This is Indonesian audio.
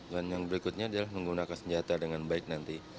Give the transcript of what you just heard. dan yang berikutnya adalah menggunakan senjata dengan baik nanti